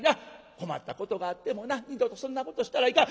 困ったことがあってもな二度とそんなことしたらいかん。